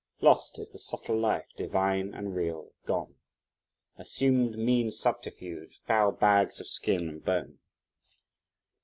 Lost is the subtle life, divine, and real! gone! Assumed, mean subterfuge! foul bags of skin and bone!